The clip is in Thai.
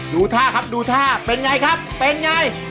ดูท่าครับดูท่าเป็นไงครับเป็นไง